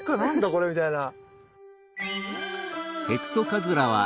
これみたいな。